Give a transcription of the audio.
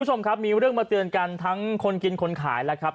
คุณผู้ชมครับมีเรื่องมาเตือนกันทั้งคนกินคนขายแล้วครับ